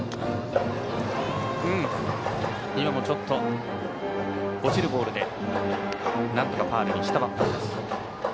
今もちょっと落ちるボールでなんとかファウルにしたバッターです。